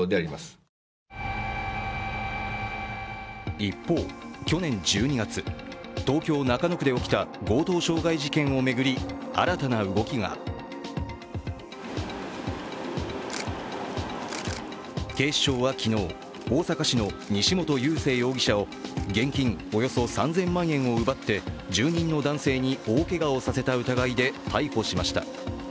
一方、去年１２月、東京・中野区で起きた強盗傷害事件を巡り、新たな動きが警視庁は昨日、大阪市の西本佑聖容疑者を現金およそ３０００万円を奪って住民の男性に大けがをさせた疑いで逮捕しました。